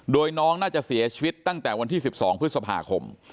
โดยน้องน่าจะเสียชีวิตตั้งแต่วันที่๑๒พฤษภาคม